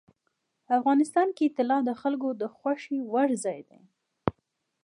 افغانستان کې طلا د خلکو د خوښې وړ ځای دی.